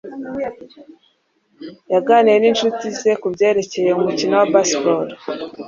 yaganiriye ninshuti ze kubyerekeye umukino wa baseball